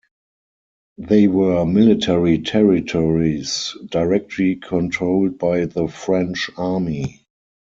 They were "Military Territories", directly controlled by the French Army.